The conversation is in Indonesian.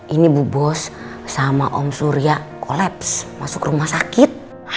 ini bu bos sama om surya kolaps masuk rumah sakit